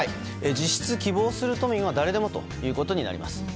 実質、希望する都民は誰でもとなります。